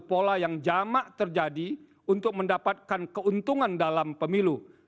pola yang jamak terjadi untuk mendapatkan keuntungan dalam pemilu